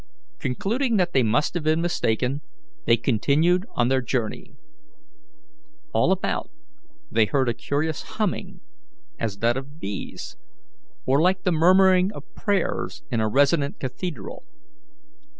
Concluding that they must have been mistaken, they continued on their journey. All about they heard a curious humming, as that of bees, or like the murmuring of prayers in a resonant cathedral.